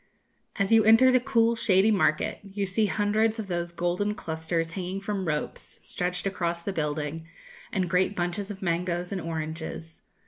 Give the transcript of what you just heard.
"As you enter the cool, shady market, you see hundreds of those golden clusters hanging from ropes stretched across the building, and great bunches of mangoes and oranges.